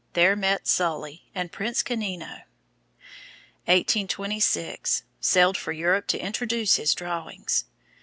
There met Sully, and Prince Canino. 1826 Sailed for Europe to introduce his drawings.